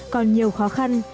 còn nhiều khó khăn